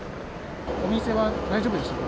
お店は大丈夫でしたか。